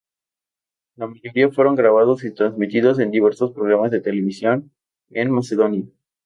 La mayoría fueron grabados y transmitidos en diversos programas de televisión en Macedonia.